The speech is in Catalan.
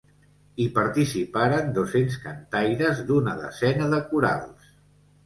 Hi participaran dos-cents cantaires d’una desena de corals.